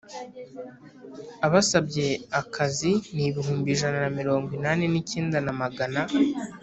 Abasabye akazi ni ibihumbi ijana na mirongo inani n icyenda na magana